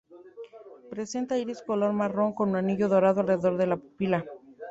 Presenta iris color marrón con un anillo dorado alrededor de la pupila.